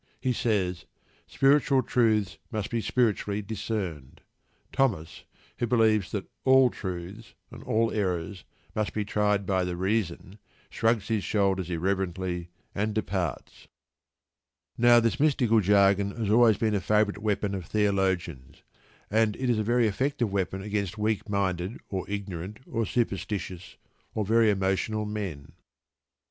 He says: "Spiritual truths must be spiritually discerned." Thomas, who believes that all truths, and all errors, must be tried by the reason, shrugs his shoulders irreverently, and departs. Now, this mystical jargon has always been a favourite weapon of theologians, and it is a very effective weapon against weak minded, or ignorant, or superstitious, or very emotional men.